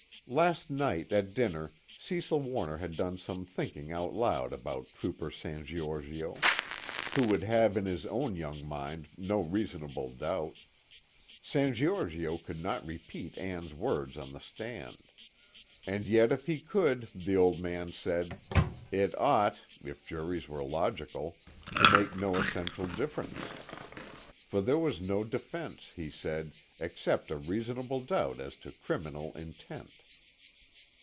'_" Last night at dinner, Cecil Warner had done some thinking out loud about Trooper San Giorgio, who would have in his own young mind no reasonable doubt. San Giorgio could not repeat Ann's words on the stand. And yet if he could, the Old Man said, it ought (if juries were logical) to make no essential difference. For there was no defense, he said, except a reasonable doubt as to criminal intent.